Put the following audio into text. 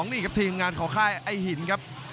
นี่ครับทีมงานของค่ายไอ้หินครับ